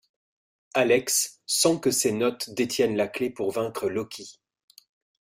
Alex sent que ces notes détiennent la clé pour vaincre Loki.